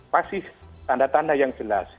pasti tanda tanda yang jelas